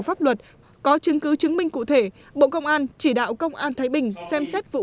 pháp luật có chứng cứ chứng minh cụ thể bộ công an chỉ đạo công an thái bình xem xét vụ